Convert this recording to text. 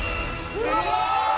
うわ！